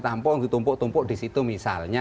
tampung ditumpuk tumpuk di situ misalnya